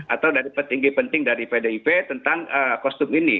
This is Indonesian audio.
atau dari petinggi penting dari pdip tentang kostum ini